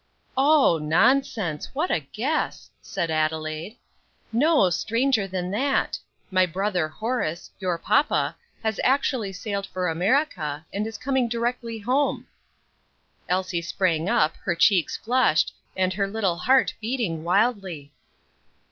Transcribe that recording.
"O! nonsense; what a guess!" said Adelaide. "No, stranger than that. My brother Horace your papa has actually sailed for America, and is coming directly home." Elsie sprang up, her cheeks flushed, and her little heart beating wildly.